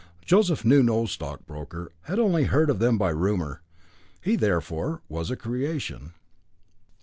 Joseph knew no stockbroker had only heard of them by rumour. He, therefore, was a creation.